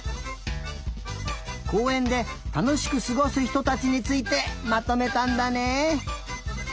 こうえんでたのしくすごすひとたちについてまとめたんだね。